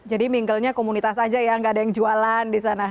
jadi minggalnya komunitas aja ya nggak ada yang jualan di sana